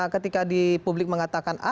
ketika di publik mengatakan a